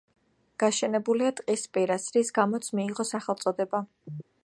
გაშენებულია ტყის პირას, რის გამოც მიიღო სახელწოდება.